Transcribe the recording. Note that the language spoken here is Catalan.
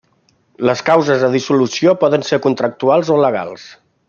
Les causes de dissolució poden ser contractuals o legals.